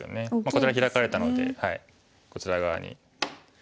こちらヒラかれたのでこちら側にヒラいて。